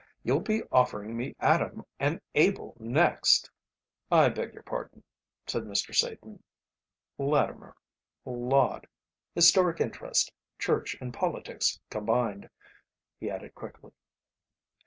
You'll be offering me Adam and Abel next." "I beg your pardon," said Mr. Satan, "Latimer, Laud Historic Interest, Church and Politics combined," he added quickly.